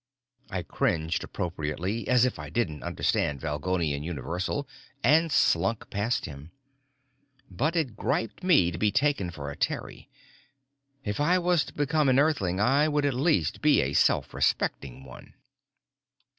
I cringed appropriately, as if I didn't understand Valgolian Universal, and slunk past him. But it griped me to be taken for a Terrie. If I was to become an Earthling, I would at least be a self respecting one.